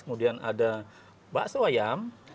kemudian ada bakso ayam